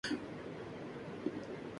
ہر فن پارے میں مضمون کا تسلسل ضروری ہے